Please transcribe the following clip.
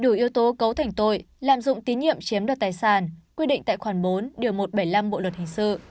đủ yếu tố cấu thành tội lạm dụng tín nhiệm chiếm đoạt tài sản quy định tại khoản bốn điều một trăm bảy mươi năm bộ luật hình sự